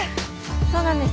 そうなんです。